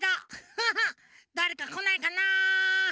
フフッだれかこないかな？